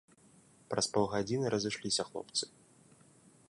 Праз паўгадзіны разышліся хлопцы.